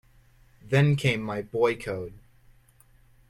Then came my boy code.